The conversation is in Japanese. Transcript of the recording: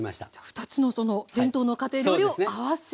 ２つの伝統の家庭料理をあわせた。